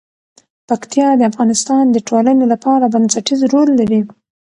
پکتیا د افغانستان د ټولنې لپاره بنسټيز رول لري.